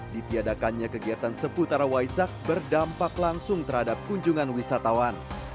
ditiadakannya kegiatan seputar waisak berdampak langsung terhadap kunjungan wisatawan